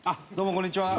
こんにちは。